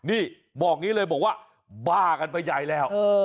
นี่บอกอย่างนี้เลยบอกว่าบ้ากันไปใหญ่แล้ว